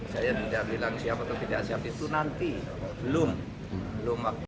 saya tidak bilang siapa tuh tidak siap itu nanti belum